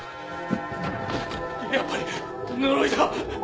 やっぱり呪いだ！